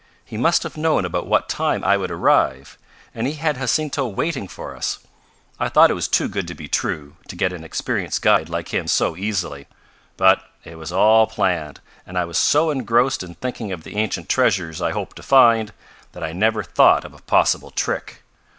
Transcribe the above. "He must have known about what time I would arrive, and he had Jacinto waiting for us. I thought it was too good to be true, to get an experienced guide like him so easily. But it was all planned, and I was so engrossed in thinking of the ancient treasures I hope to find that I never thought of a possible trick.